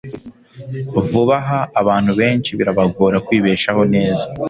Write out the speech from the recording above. Vuba aha, abantu benshi birabagora kwibeshaho neza.